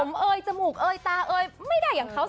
ผมเอ่ยจมูกเอ่ยตาเอ่ยไม่ได้อย่างเขาสักหน่อยเนอะ